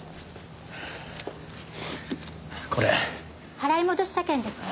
払い戻し車券ですね？